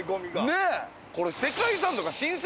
ねえ。